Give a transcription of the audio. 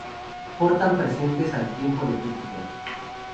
Portan presentes al templo de Júpiter.